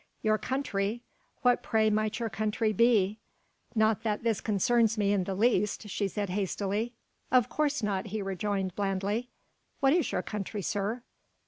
"Your country? What pray might your country be? Not that this concerns me in the least," she added hastily. "Of course not," he rejoined blandly. "What is your country, sir?"